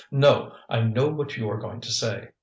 "No! I know what you are going to say.